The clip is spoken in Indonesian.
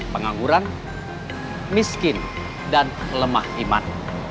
pengangguran miskin dan lemah iman